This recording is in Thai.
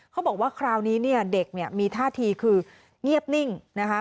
เขาบอกว่าคราวนี้เนี่ยเด็กเนี่ยมีท่าทีคือเงียบนิ่งนะคะ